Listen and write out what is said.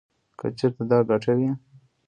کـه چـېرتـه دا ګـټـه وې.